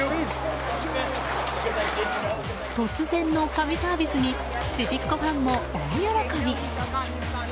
突然の神サービスにちびっ子ファンも大喜び。